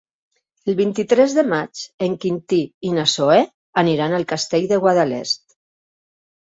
El vint-i-tres de maig en Quintí i na Zoè aniran al Castell de Guadalest.